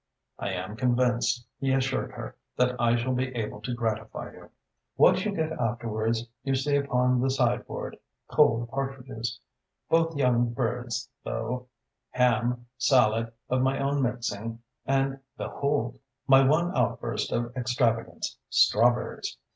"I am convinced," he assured her, "that I shall be able to gratify you." "What you get afterwards you see upon the sideboard: cold partridges both young birds though ham, salad of my own mixing, and, behold! my one outburst of extravagance strawberries.